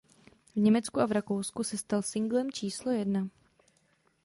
V Německu a v Rakousku se stal singlem číslo jedna.